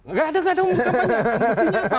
enggak ada enggak untuk apanya